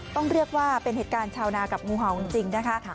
ต้องเรียกว่าเป็นเหตุการณ์ชาวนากับงูเห่าจริงนะคะ